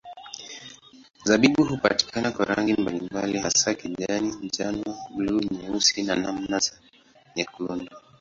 Zabibu hupatikana kwa rangi mbalimbali hasa kijani, njano, buluu, nyeusi na namna za nyekundu.